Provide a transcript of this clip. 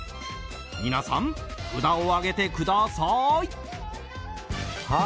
皆さん、札を上げてください。